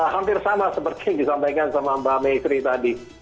hampir sama seperti yang disampaikan sama mbak may sri tadi